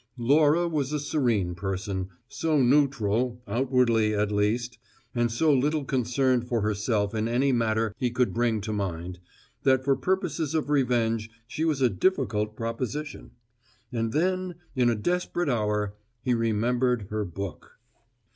Laura was a serene person, so neutral outwardly, at least and so little concerned for herself in any matter he could bring to mind, that for purposes of revenge she was a difficult proposition. And then, in a desperate hour, he remembered her book.